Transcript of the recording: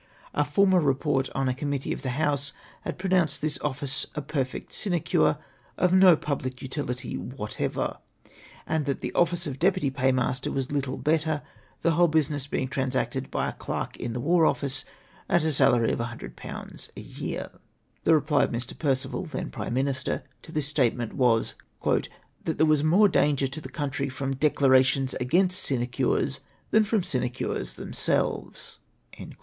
A former report on a committee of the House had pronounced this office a perfect sinecure, of no public utihty whatever, and that the office of deputy paymaster was little better, the whole busuiess being transacted by a clerk in the War Office at a salary of 100/, a ycar. The reply of Mr. Perceval (then Prime IMinister) to this statement was " that there was more danger to the country from declamations against sinecures than from tlie sinecures themselves